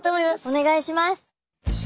お願いします！